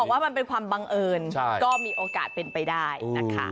ว่ามันเป็นความบังเอิญก็มีโอกาสเป็นไปได้นะคะ